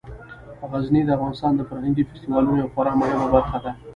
غزني د افغانستان د فرهنګي فستیوالونو یوه خورا مهمه برخه ده.